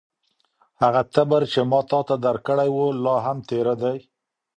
هغه تبر چې ما تاته درکړی و، لا هم تېره دی؟